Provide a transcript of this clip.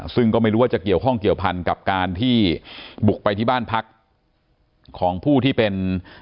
ซึ่งก็ไม่รู้ว่าจะเกี่ยวข้องเกี่ยวพันกับการที่บุกไปที่บ้านพักของผู้ที่เป็น